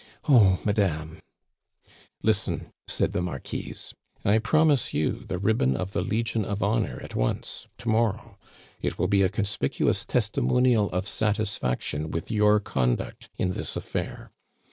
"Oh! madame " "Listen," said the Marquise. "I promise you the ribbon of the Legion of Honor at once to morrow. It will be a conspicuous testimonial of satisfaction with your conduct in this affair.